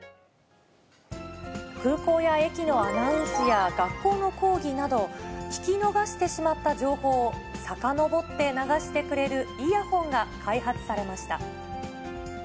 空港や駅のアナウンスや学校の講義など、聞き逃してしまった情報をさかのぼって流してくれるイヤホンが開発されました。